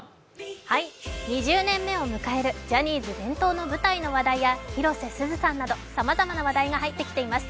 ２０年目を迎えるジャニーズ伝統の舞台の話題や広瀬すずさんなど、さまざまな話題が入ってきています。